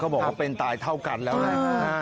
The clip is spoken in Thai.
เขาบอกว่าเป็นตายเท่ากันแล้วนะครับ